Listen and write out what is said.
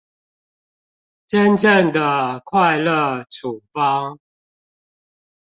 真正的快樂處方